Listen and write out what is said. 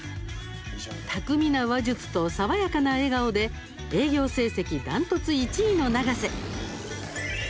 巧みな話術と爽やかな笑顔で営業成績断トツ１位の永瀬。